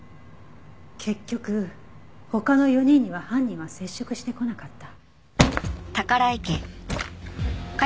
結局他の４人には犯人は接触してこなかった。